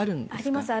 あります。